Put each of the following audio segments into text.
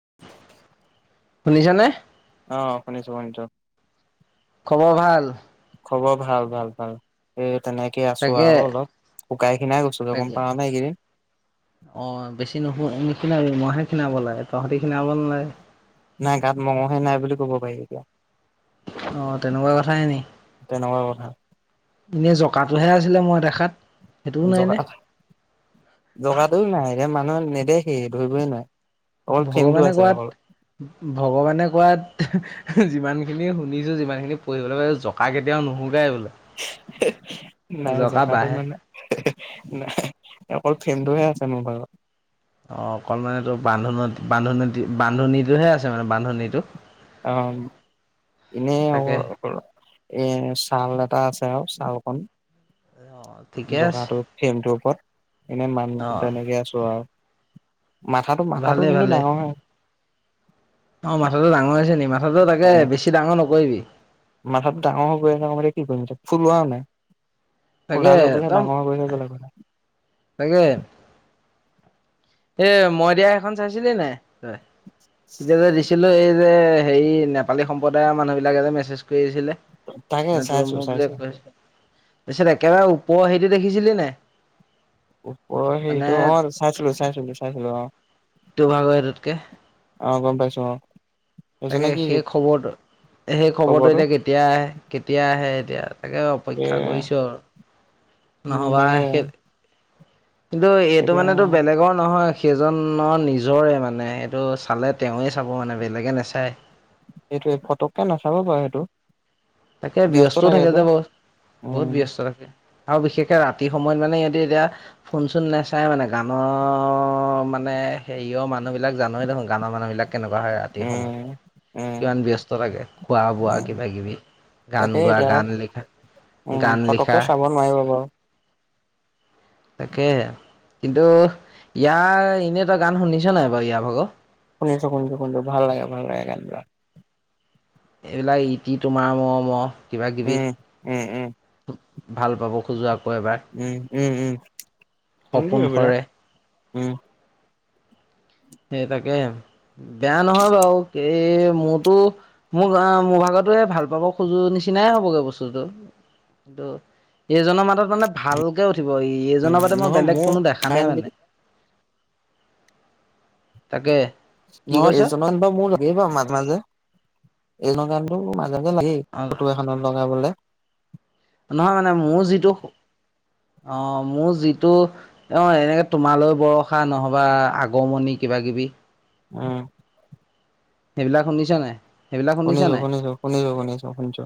[inaudible] শুনিছা নে? অ', শুনিছো, শুনিছো। খবৰ ভাল? খবৰ ভাল, ভাল, ভাল এ তেনেকে আছো তাকে আৰু অলপ শুকাই খিনাই গৈছিলোঁ গম তাকে পাওঁ নে এইকেইদিন অ', বেছি নুশু নিখিনাবি মইহে খিনাব লাগে তহঁতি খিনাব নালাগে। নাই গাত মঙহে নাই বুলি ক'ব পাৰি এতিয়া। অ', তেনেকুৱা কথাই নি তেনেকুৱা কথা। এনেই জক কা টোহে আছিলে মই দেখাত। সেইটোও নাইনে জকা জকাটোও নাই, এতিয়া মানুহে নেদেখেই ধৰিবই নোৱাৰে। অকল ফেমটো ভগৱানে আছে অকল। কোৱাত ভগৱানে কোৱাত যিমান খিনি শুনিছো যিমান খিনি পঢ়িবলৈ পাইছো জকা কেতিয়াও নুশুকাই বোলো। নাই জকাটো বাঢ়ে মানে নাই, অকল ফেমটোহে আছে মোৰ বাৰু অ', অকন মানে টোৰ বান্ধোন বান্ধোন-বান্ধনীটোহে আছে মানে বান্ধনীটো অ', ইনে তাকে মোৰ এ ছাল এটা আছে আৰু ছালকন অ ঠিকে আছে জকাটো ফেমটোৰ ওপৰত, এনে অ মানুহটো তেনেকে আছো আৰু। মাথাটো মাথাটো ভালে কিন্তু ভালে ডাঙৰ অ', মাথাটো ডাঙৰ হৈছে নি? মাথাটো তাকে উম। বেছি ডাঙৰ নকৰিবি। মাথাটো ডাঙৰ হৈ গৈ আছে এতিয়া কি কৰিম ফুলোৱাও নাই। তাকে একদম [unintelligible] তাকে এ মই দিয়া এইখন চাইছিলি নাই তই? তেতিয়া দিছিল ছিলো এই যে, হেয়ি নেপালী সম্প্ৰদায়ৰ মানুহবিলাকে যে, মেছেজ কৰি আছিলে। তাকে মানে তোমাৰ চাইছো [unintelligible] চাইছো তাপিছত একেবাৰে ওপৰ হেৰিটো দেখিছিলি নাই? ওপৰ মানে হেৰিটো অ', চাইছিলো, চাইছিলো, চাইছিলো অ'। [unintelligible] অ', গম পাইছো অ'। সেইজনে তাকে কি সেই খবৰটো সেই খবৰটো এতিয়া কেতিয়া আহে কেতিয়া আহে এতিয়া তাকে এ অপেক্ষা কৰিছোঁ আৰু উম নহ'বা তাকে সেই কিন্তু এইটো এতিয়া মানে তোৰ বেলেগৰ নহয় সেইজনৰ নিজৰে মানে এইটো চালে তেওঁৱে চাব মানে বেলেগে নেচায়। এইটোৱে ফটককে নাচাব বাৰু সেইটো। তাকে ব্যস্তও থাকে যে, বহুত বহুত উম ব্যস্ত থাকে। আৰু বিশেষকে ৰাতি সময়ত মানে সিহঁতে এতিয়া ফোন চোন নাচায় মানে গানৰ মানে মানে হেৰিয়ৰ মানুহ বিলাক জানৱে দেখোন গানৰ মানুহ বিলাক কেনেকুৱা হয়, ৰাতি সময়ত উম উম কিমান ব্যস্ত থাকে খোৱা বোৱা উম কিবা কিবি গান তাকে গোৱা এতিয়া গান লিখা উম, গান লিখা ফটককে চাব নোৱাৰিব বাৰু। তাকে, কিন্তু ইয়াৰ এনেই তই গান শুনিছ নাই বাৰু ইয় ভাগ শুনিছোঁ, শুনিছোঁ শুনিছোঁ ভাল লাগে ভাল লাগে গান বিলাক। এইবিলাক ইতি তোমাৰ মৰমৰ উম, উম, উম। ভাল পাব খোজোৱা উম, উম, উম সপোন শুনিছোঁ এইবিলাক সৰে উম। সেইতাকে বেয়া নহয়, বাৰু এই মোৰতো মোৰ মোৰ ভাগত [unintelligible] ভাল পাব খোজো নিচিনাই হ'বগে বস্তুটো কিন্তু এইজনৰ মাজত মানে ভালকে উঠি ব উম এইজনৰ বাদে মই নহয় বেলেগ কোনো দেখা নাই মোৰ মানে তাকে কি নহয়, কৈছ এইজনৰ [unintelligible] বাৰু, মাজে-মাজে, এইজনৰ [unintelligible] মোৰ মাজ লাগে-লাগে, অ ফটো এখনত লগাবলে নহয় মানে, মোৰ যিটো অ', মোৰ যিটো, অ', এনেকে তোমালৈ বৰষা নহ'বা, আগমণি কিবা-কিবি। উম। সেইবিলাক শুনিছ নে? শুনিছোঁ, শুনিছোঁ, শুনিছোঁ, শুনিছোঁ, শুনিছোঁ।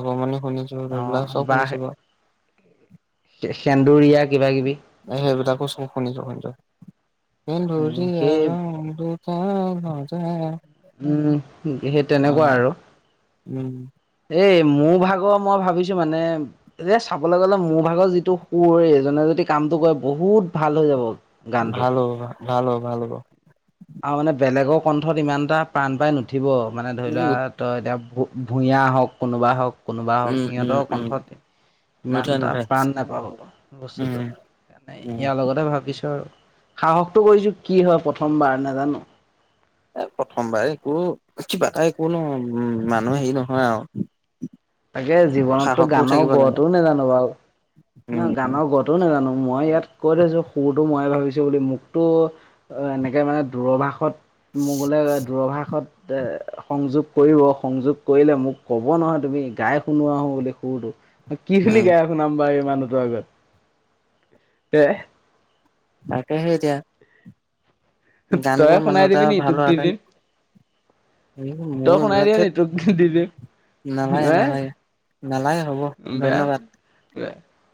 আগমণি শুনিছোঁ। অ [unintelligible] চব বাঘ শুনিছোঁ বাৰু সেন্দুৰীয়া, কিবা-কিবি। সেইবিলাকো চব শুনিছোঁ। কিন্তু, উম সেন্দুৰীয়া সেই ৰং দু [inaudible] উম, সেই তেনেকুৱা আৰু উম। এই মোৰ ভাগৰ। মই ভাবিছোঁ, মানে, যে চাবলৈ গ'লে, মোৰ ভাগৰ যিটো সুৰ, এইজনে যদি কামটো কৰে, বহুত ভাল হৈ যাব। গানটো ভাল হ'ব, ভাল হ'ব, ভাল হ'ব। আৰু, মানে, বেলেগৰ কণ্ঠত ইমান এটা প্ৰাণ পাই নুঠিব। মানে, ধৰি উম লোৱা, তই এতিয়া ভু ভূঞা হওক, কোনোবা হওক, কোনোবা উম হওক, উম সিহঁতৰ উম কণ্ঠত নুঠে ইমান এটা নুঠে প্ৰাণ নাপাব উম বস্তুটোত। উম ইয়াৰ লগতে ভাবিছোঁ আৰু সাহসটো কৰিছোঁ। কি হয়, প্ৰথমবাৰ নাজানো এ, প্ৰথমবাৰ, একো কিবা এটা, একো নহয়। মানুহ হেৰি নহয় আৰু তাকে জীৱনততো, সাহসটো গানৰ থাকিব লাগে গঢ়টোও নাজানো বাৰু উম নহয়, গানৰ গটো নাজানো। মই ইয়াত কৈ থৈছোঁ, সুৰটো মই ভাবিছোঁ বুলি। মোকতো আ এনেকে, মানে, দূৰভাষত। মোৰ গ'লে, দূৰভাষত এ, সংযোগ কৰিব। সংযোগ কৰিলে মোক ক'ব, নহয় তুমি গাই শুনোৱা বুলি, সুৰটো কি খিনি উম গাই শুনাম বাৰু এই মানুহটোৰ আগত? এহ তাকেহে, এতিয়া গান গোৱা তইয়েই মানুহ শুনাই এটা দিবি নি? তোক দি দিম। উম, তই মোৰ শুনাই এইবিলাক, দিয়া নি ধেৎ, তোক দি দিম নালাগে, এ নালাগে। নালাগে, হ'ব। বেয়া ধন্যবাদ।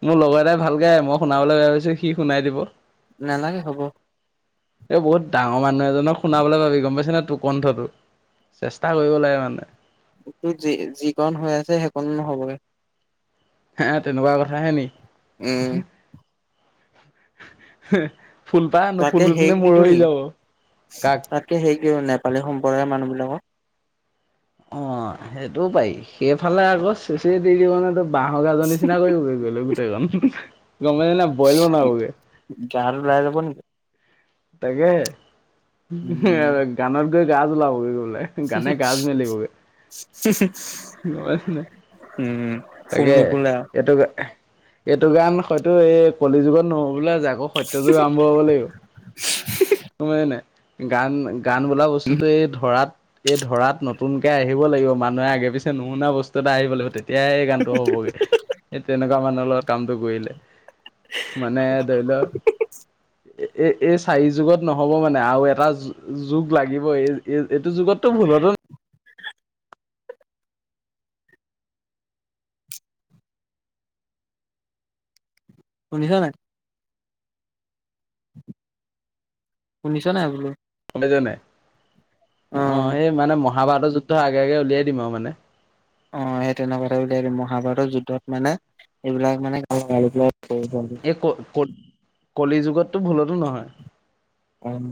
মোৰ লগৰ এটাই ভাল গায়। মই শুনাবলৈ ভাবিছোঁ। সি শুনাই দিব নালাগে, হ'ব। এ, বহুত ডাঙৰ মানুহ এজনক শুনাবলৈ যাবি। গম পাইছে নে তোৰ কণ্ঠটো? চেষ্টা কৰিব লাগে, মানে এতিয়া যি, যিকণ হৈ আছে, সেইকণো নহ'বগৈ। হে, তেনেকুৱা কথা হে নি? উম। [inaudible] নুফুলোতেনে মৰহি যাব তাকে কাক হেৰিক দি অ', সেইটোও পাৰি। সেইফালে আকৌ চেচই দি দিব, নহয় তোক বাঁহৰ গাজৰ নিচিনা কৰিব গৈ লৈ, গোটেইজন গমেই নাই বইল বনাবগৈ জান ওলাই যাব নেকি তাকেহে, উম গানত গৈ গা জ্বলাব গৈ পেলাই গানে গাজ মেলিবগৈ, গম পাইছ নে? উম ফুল তাকে, নুফুলে আও এইটো গানে এইটো গান হয়তো এই কলি যুগত নহ'ব বোলে যে, আকৌ সত্য যুগ আৰম্ভ হ'ব লাগিব। গম পাইছ নে? গান, গান বোলা বস্তুটো এই ধৰাত এই ধৰাত নতুনকে আহিব লাগিব। মানুহে আগে-পিছে নুশুনা বস্তু এটা আহিব লাগিব। তে তিয়াই এই গানটো হ'বগে এই তেনেকুৱা মানুহৰ লগত কামটো কৰিলে। মানে ধৰি'ল, এ, এ, এই চাৰি যুগত নহ'ব মানে আৰু এটা যু-যুগ লাগিব এই, এই-এইটো যুগতটো ভুলতো শুনি'ছ নাই? শুনি'ছ নাই বোলো? নাই। অ' সেই মানে মহাভাৰতৰ যুদ্ধ আগে-আগে উলিয়াই দিম আৰু মানে অ' সেই তেনেকুৱাতে উলিয়াই দিম মহাভাৰতৰ যুদ্ধত মানে এইবিলাক মানে [unintelligible] এই ক, ক-কলি যুগতটো ভুলতো নহয়। উম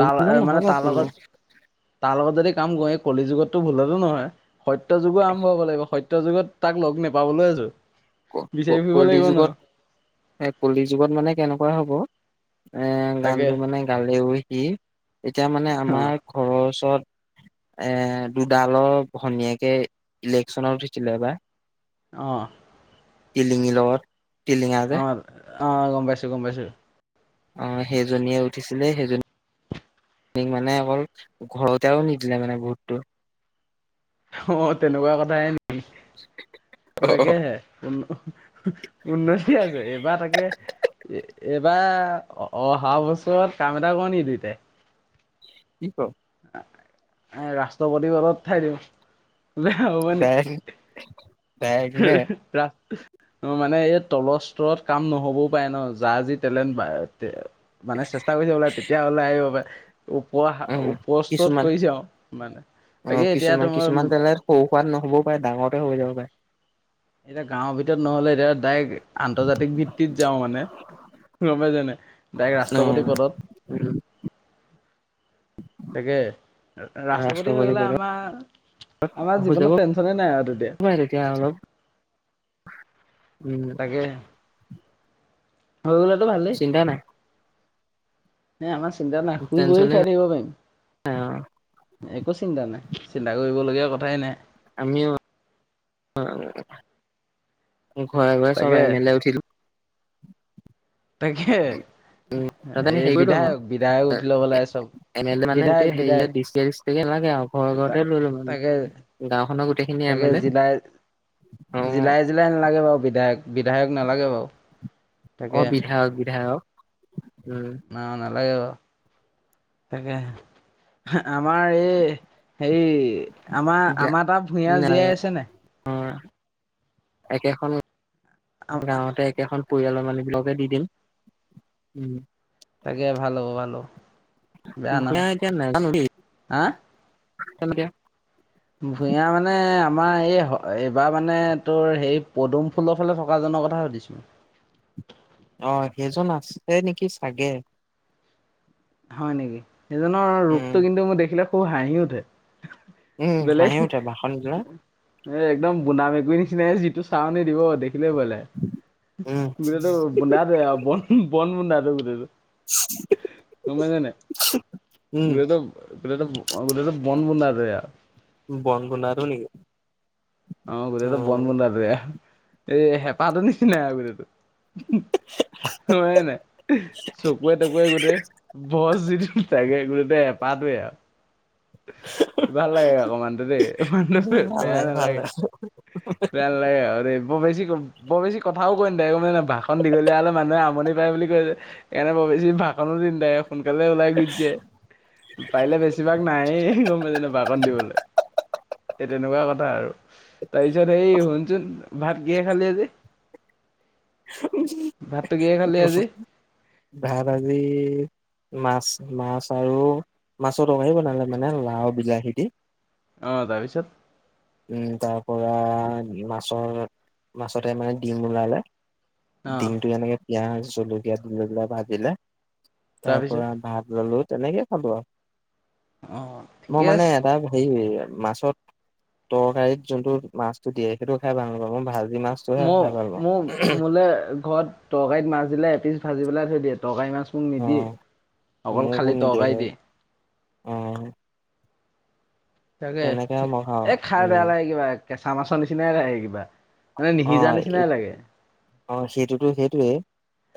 তা মানে তা লগত, তাৰ লগত যদি কাম কৰি, এই কলি যুগতো ভুলতো নহয় সত্য যুগো আৰম্ভ হ'ব লাগিব। স- ত্য যুগত তাক লগ নোপাবলৈ আজো। ক, ক-কলি যুগত এ কলি যুগত মানে কেনেকুৱা হ'ব? এ তাকে গানটো মানে গালেও সি এতিয়া মানে অ আমাৰ ঘৰৰ ওচৰত এ দুডালৰ ভনীয়েকে ইলেকশচনত উঠিছিলে এবাৰ অ টিলিঙীৰ লগত টিলিঙা অ যে অ' গম পাইছো, গম পাইছো। আহ সেইজনীয়ে উঠিছিলে। সেইজনী- ক মানে অকল ঘৰতেও নিদিলে মানে ভোটটো। অ' তেনেকুৱা কথাই নেকি? তাকেহে উন, উন্নতি আছে এইবাৰ তাকে এইবাৰ অহা বছৰত কাম এটা কৰোঁ নেকি দুইতাই? কি ক'ৰ? এ ৰাষ্ট্ৰপতি পদত উঠাই দিওঁ হব নি? ডাইৰেক্ট ডাইৰেক্ট নে ৰা, মানে এই তলৰ স্তৰত কাম নহ'বও পাৰে ন' যাৰ যি টেলেণ্ট বা- মানে চেষ্টা কৰি থাকিব লাগে তেতিয়া ওলাই আহিব পাৰে। উপ, উম ওপৰস্তৰত কিছুমান কৰিছে আও মানে অ তাকে এতিয়া কিছুমান, তোমাৰ কিছুমান তেলেত সৰু-সুৰাত নহবও পাৰে ডাঙৰতে হৈ যাব পাৰে। এতিয়া গাঁৱৰ ভিতৰত নহ'লে, এতিয়া ডাইৰেক্ আন্তৰ্জাতিক ভিত্তিত যাওঁ মানে। গম পাই'ছ নাই? ডাইৰেক অ ৰাষ্ট্ৰপতি পদত। উম তাকে ৰাষ্ট্ৰপতি হৈ গলে আমাৰ- আমাৰ হৈ যাব জীৱনত টেনচনে নাই আৰু তেতিয়া। [inaudible] উম তাকে হৈ গলেতো ভালেই, চিন্তা নাই নে আমাৰ চিন্তা নাই। শুই বহি টেনচনে খাই নাই থাকিব পাৰিম। অ একো চিন্তা নাই। চিন্তা কৰিবলগীয়া কথাই নাই। আমিও [unintelligible] ঘৰে ঘৰে চব তাকে এম এল এ উঠিদিওঁ। তাকে, তাতে আমি এই হেৰি কৰি লম আৰু বিধায়ক, বিধায়ক উঠি লব লাগে চব এম এল এ মানে গোটেই বিধায়ক হেৰি বিধায়ক [unintelligible] নাগে আৰু ঘৰ-ঘৰতে লৈলম আমি। তাকে গাওঁখনৰ গো- তাকে জিলাই, অ জিলাই-জিলাই নালাগে বাৰু বিধা- য়ক, বিধায়ক নালাগে বাৰু অ তাকে বিধায়ক, বিধায়ক। উম অ নালাগে বাও তাকে, হে, আমাৰ এই, হেৰি আমাৰ, আমাৰ তাৰ ভূঞা নালাগে জীয়াই আছে নাই? একেখন গাঁৱতে একেখন পৰিয়ালৰ মানুহ বিলাকে দি দিম উম, তাকে ভাল হ'ব ভাল হ'ব, বেয়া ভূঞা নহয় হা। চৈধ্য ভূঞা মানে আমাৰ এই এইবাৰ মানে তোৰ হেই পদুম ফুলৰ ফালে থকা জ কথা সুধিছো মই। অ' সেইজন আছে নেকি চাগে। হয় নেকি সিজনৰ উম ৰূপটো কিন্তু মোৰ দেখিলে খুব হাঁহি উঠে। উম বেলেগ হাঁহি উঠে ভাষণ দিলে এ একদম বুনা মেকুৰিৰ নি নিচিাই যিটো চানি দিব দে লে ভয় উম লাগে গোটেইটো বুন্দাটো আৰু বন বন বুন্দাটো গোটেইটো। [inaudible] পমপাই চ নে নাই উম গো গোটেই-গোটেইটো বন বুণ্ডাটোৱে। বন বোন্দাটো নেকি? অ' গোটেইটো বন বোন্দাটোৱেই এই হেঁপাহটোৰ নিচিনাই আৰু গোটটো। উ [unintelligible] হয় নাই চকুৱে তকুৱে গোটেই বছ যিটো তাকে গোটেই হে হেপাটোৱে। ভাল লাগে অকমানতো দেই অমান বেয়া ভালে নালাগে। ভালে বেয়া নালাগে আৰু দেই বেছি ক বৰ বেছি কথাও কৈ নাথাকে গম পইচানে মানে ভাষ দিবলৈ হলে মানুহে আমনি পায় বুলি কৈছে সেইকাৰে বৰ বেছি ভাষণ। সোনকালে ওলাই গুচি জায় পাৰিলে বেছিভাগ এই গম পাইছনে নাই ভাখন দিবলে। সেই তেনেকুৱা কথা আৰু তাৰপিছত সেই শুনচোন ভাত কিহে খালে আজি? ভাতটো কিহে খালি আজি ভাত আজি মাছ-মাছ আৰু মাছৰ তৰকাঢ়ি বনালে মানে লাও বিলাহী দি। অ তাৰপিছত উম, তাৰ পৰা মাছৰ-মাছতে মানে ডিম ওলালে। অ ডিমটো এনেকে পিয়াজ জল কিয়া দি ভাজিলে, তাৰ তাৰপিছত পৰা ভাত ললো তেনেকে খালো আৰু। অ মই ঠিকে মানে আছে এটা হেৰি মাছত তৰকাৰিত যোনতটো মাছতটো দিয়ে সেইটো খাই ভাল নাপাওঁ। ভাজি মাছতোহে মোৰ খাই ভাল মোৰ পাওঁ। মোলে ঘৰত তৰকাৰীত মাছ দিলে এপিছ ভাজি পেলাই থৈ দিয়ে তৰকাৰী মাছ। অ নিদি, অকল খালি তৰকাৰি দিয়ে। উম, তাকে মই খাওঁ এ খাই উম বেয়া লাগে কিবা কেঁচা মাছৰ নিচিনাই লাগে কিবা। মানে অ নিসিজা নিচিনাই লাগে। অ' সেইটোতো-সেইটোয়ে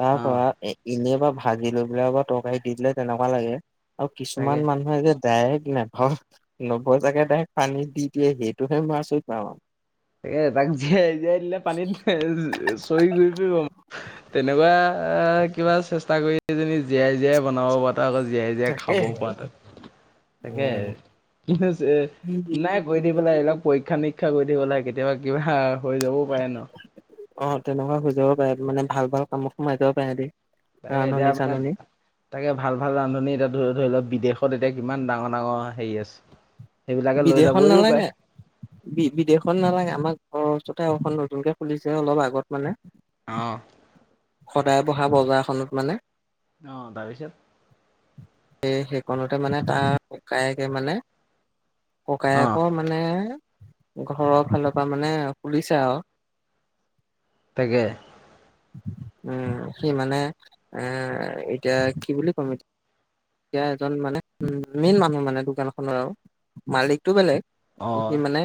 তাৰ অ পৰা এ এনে বা ভাজি লৈ পেলাই বা তৰকাৰী দি দিলে তেনেকুৱা লাগে আৰু তাকে কিছুমান মানুহে যে ডাইৰেক্ট নাভ নভজাকে ডাইৰেক্ট পানী দি দিয়ে সেইটোহে মই আচৰিত পাও আৰু। এই [inaudible] তাক জীয়াই-জীয়াই দিলে পানীত চৰি গুৰি পৰিব তেনেকুৱা কিবা চেষ্টা কৰিজনী জীয়াই-জীয়াই বনাব পৰা ত আকৌ জীয়াই-জীয়াই খাব তাকেহে পৰা ত' তাকে উম। নাই কৰি দি পেলাই এইবিলাক পৰীক্ষা নিৰী শিক্ষা কৰি থিব লাগে কেতিয়াবা কি হা? অ' তেনেকুৱা সিজাব পাৰে মানে ভাল-ভাল কামত সোমাই যাব পাৰে দ তাকে এতিয়া মানে তাকে ভাল-ভাল ৰান্ধনি এতিয়া ধৰি-ধৰি লও বিদেশ ত, তেতিয়া কিমান ডাঙৰ-ডাঙৰ হেৰি আছে। সেইবিলাকে লৈ বিদেশত যাবহিও পাৰে। নালাগে বি বিদেশত নালাগে আমাক, অ' চতেখন নতুনকে খুলিছে অলপ আগত মানে। অঁ সদায় বহা বজাৰখনত মানে অ তাৰপিছত? সেইখনতে মানে তাৰ ককায়েকে মানে অ', ককায়েকৰ মানে ঘৰৰ ফালৰ পৰা মানে খুলিছে আৰু। তেগে উম সি মানে এ এতিয়া কি বুলি কম এতিয়া এজন মানে উ মেইন মানুহ মানে দোকান খনৰ আৰু মালিকতটো বেলেগ। সি অ', মানে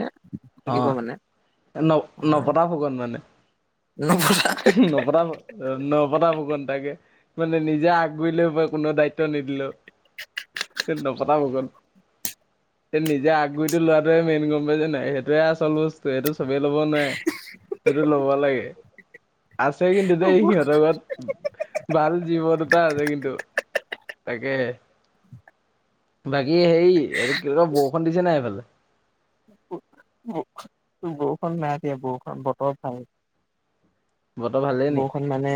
লাগিব অ'। মানে, ন অ। নপতা ফুকন মানে নপতা, নপতা ফুকন তাকে। মানে নিজে আগবাঢ়িলেও মই কোনো দায়িত্ব নিদিলো। তে নপতা ফুকন, তে নিজে আগ গৰি এইটো লোৱাটোৱে মেইন গম পাই যে নাই সেইটোয়ে আচল বস্তু সেইটো চবেই ল'ব নোৱাৰে, সেইটো ল'ব লাগে। আছে কিন্তু দেই সিহঁতৰ লগত, ভাল জীৱ দুটা আছে কিন্তু। তাকে, বাকী হেই [unintelligible] বৰষুণ দিছে নাই এইফালে? বৰষুণ নাই দিয়া, বৰষুণ বতৰ ভা বতৰ ভালেই নি? বৰষুণ মানে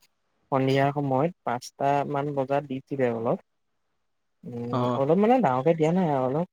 সন্ধিয়াৰ সময়ত পাঁচটামান বজাত দিছিলে অলপ। উ অ'। অলপ মানে ডাঙৰকে দিয়া নাই আৰু অলপ